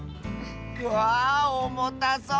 わあおもたそう。